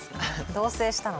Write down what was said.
同棲したのに。